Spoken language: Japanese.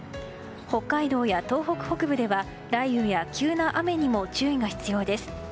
北海道や東北北部では雷雨や急な雨にも注意が必要です。